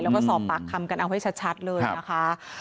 แล้วก็สอบปากคำกันเอาให้ชัดเลยนะคะ